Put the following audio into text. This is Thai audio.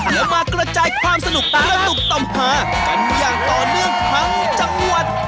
แล้วมากระจายความสนุกกระตุกต่อมหากันอย่างต่อเนื่องทั้งจังหวัด